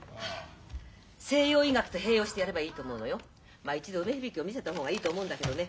まあ一度梅響を診せた方がいいと思うんだけどね。